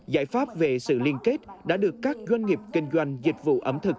giải pháp về sự liên kết đã được các doanh nghiệp kinh doanh dịch vụ ẩm thực